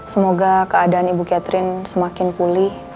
semoga keadaan ibu catherine semakin pulih